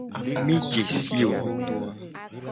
Mi je si wo.